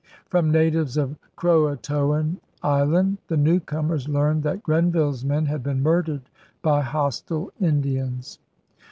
From natives of Croatoan Island the newcomers learned that Grenville's men had been murdered by hostile Indians.